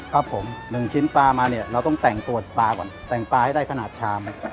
ครับผมหนึ่งชิ้นปลามาเนี่ยเราต้องแต่งตัวปลาก่อนแต่งปลาให้ได้ขนาดชาม